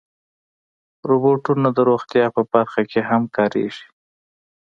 روبوټونه د روغتیا په برخه کې هم کارېږي.